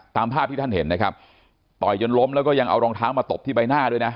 ตามภาพที่ท่านเห็นนะครับต่อยจนล้มแล้วก็ยังเอารองเท้ามาตบที่ใบหน้าด้วยนะ